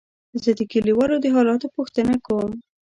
زه د کليوالو د حالاتو پوښتنه کوم.